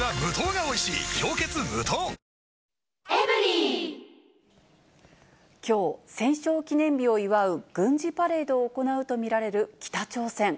あきょう、戦勝記念日を祝う軍事パレードを行うと見られる北朝鮮。